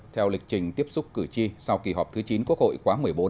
theo lịch trình tiếp xúc cử tri sau kỳ họp thứ chín quốc hội khóa một mươi bốn